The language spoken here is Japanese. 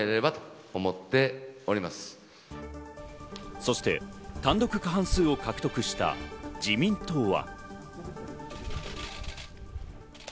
そして、単独過半数を獲得した自民党は。